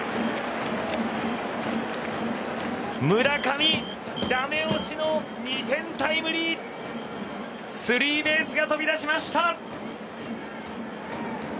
村上ダメ押しの２点タイムリースリーベースが飛び出しました。